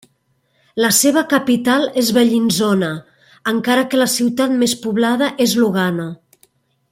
La seva capital és Bellinzona, encara que la ciutat més poblada és Lugano.